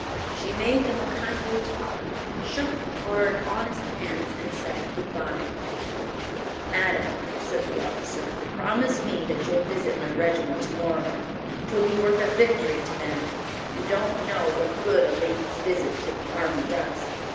She made them a kindly talk, shook the hard, honest hands, and said good bye. "Madame," said the officer, "promise me that you'll visit my regiment to morrow; 'twould be worth a victory to them. You don't know what good a lady's visit to the army does.